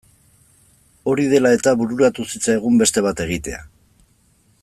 Hori dela eta bururatu zitzaigun beste bat egitea.